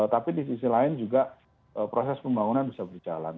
tapi di sisi lain juga proses pembangunan bisa berjalan